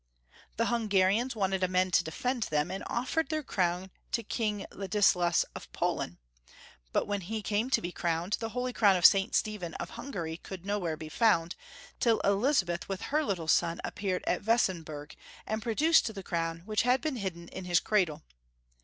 The Hungarians wanted a man to defend them, and offered their crown to King Ladislas of Poland, but when lie Friedrich lU. 245 came to be crowned, the holy crown of St. Stephen of Hungary could nowhere be found, till Elizabeth with her little son appeared at Weissenberg, and produced the crown, which had been hidden in hii; cradle.